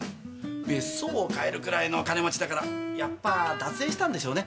別荘を買えるくらいのお金持ちだからやっぱ脱税したんでしょうね。